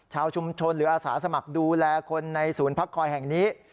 ชาวชุมชนหรืออาสาสมัครดูแลคนในศูนย์พักคอยแห่งนี้